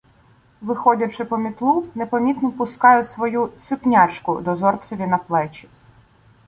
Виходячи по мітлу, непомітно пускаю свою "сипнячку" дозорцеві на плечі.